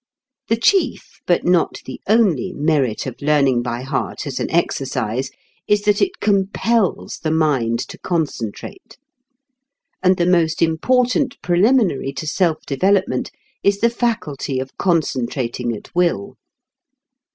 The chief, but not the only, merit of learning by heart as an exercise is that it compels the mind to concentrate. And the most important preliminary to self development is the faculty of concentrating at will.